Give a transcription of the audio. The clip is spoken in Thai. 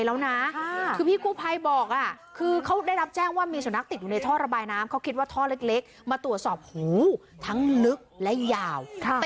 ลองไปฟังเสียงพี่กู่ไพ้หน่อยตอนนาทีช่วยเหลือค่ะค่ะ